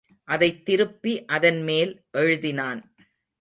அதைத் திருப்பி அதன்மேல் எழுதினான்.